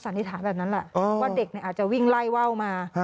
นิษฐานแบบนั้นแหละว่าเด็กอาจจะวิ่งไล่ว่าวมา